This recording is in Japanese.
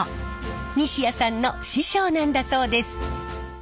西谷さんの師匠なんだそうです。